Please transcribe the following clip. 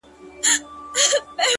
ورځي و میاشتي غم; هم کال په کال دي وکړ;